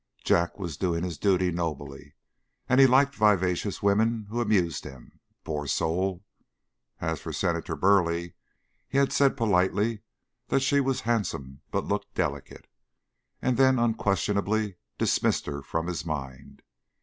Jack was doing his duty nobly, and he liked vivacious women who amused him, poor soul! As for Senator Burleigh, he had said politely that she was handsome but looked delicate, and then unquestionably dismissed her from his mind.